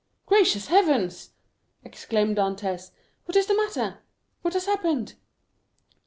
"Gracious heavens!" exclaimed Dantès, "what is the matter? what has happened?"